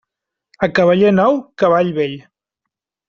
A cavaller nou, cavall vell.